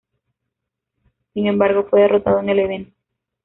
Sin embargo, fue derrotado en el evento.